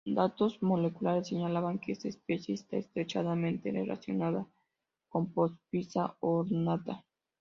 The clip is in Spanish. Datos moleculares señalan que esta especie está estrechamente relacionada con "Poospiza ornata".